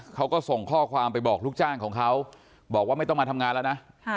เขาก็ส่งข้อความไปบอกลูกจ้างของเขาบอกว่าไม่ต้องมาทำงานแล้วนะ